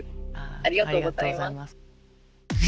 ありがとうございます。